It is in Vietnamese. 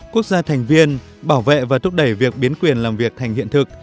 quốc gia thành viên bảo vệ và thúc đẩy việc biến quyền làm việc thành hiện thực